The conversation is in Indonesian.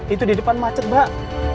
itu di depan macet mbak